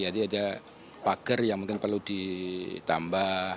jadi ada pager yang mungkin perlu ditambah